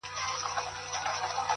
که هر څو خلګ ږغېږي چي بدرنګ یم ـ